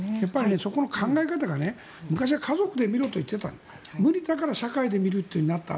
そこの考え方が昔は家族で診ろといっていたけど社会で診るとなってきた。